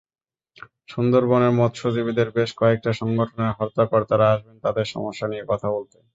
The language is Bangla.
সুন্দরবনের মৎস্যজীবীদের বেশ কয়েকটা সংগঠনের হর্তাকর্তারা আসবেন তাঁদের সমস্যা নিয়ে কথা বলতে।